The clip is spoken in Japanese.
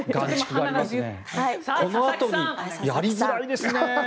このあとにやりづらいですね。